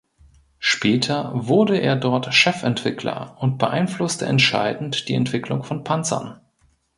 Später wurde er dort Chefentwickler und beeinflusste entscheidend die Entwicklung von Panzern.